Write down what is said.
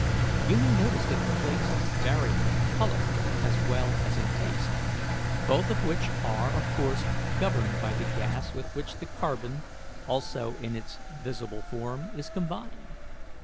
You may notice that the flakes vary in colour as well as in taste, both of which are of course governed by the gas with which the carbon, also in its visible form, is combined.